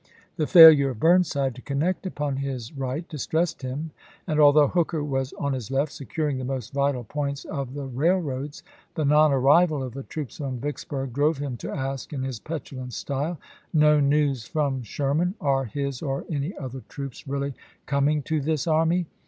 The failure of Burnside to connect upon October 4.' his right distressed him ; and although Hooker was on his left securing the most vital points of the rail roads, the non arrival of the troops from Vicksburg drove him to ask in his petulant style, " No news from Sherman. Are his or any other troops really coming to this army?"